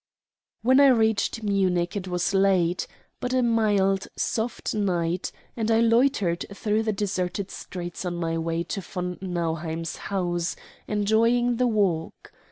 When I reached Munich it was late, but a mild, soft night, and I loitered through the deserted streets on my way to von Nauheim's house, enjoying the walk.